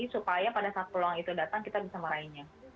supaya pada saat peluang itu datang kita bisa meraihnya